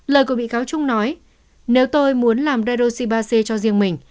lời của bị cáo trung nói nếu tôi muốn làm redoxi ba c cho riêng mình